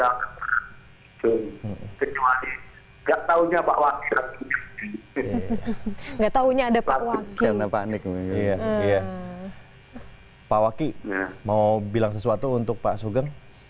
enggak taunya ada pak wakil karena panik iya pak waki mau bilang sesuatu untuk pak sugeng